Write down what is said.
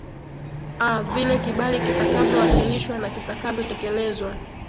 aa vile kibali kitakavyo wasilishwa na kitakavyo tekelezwa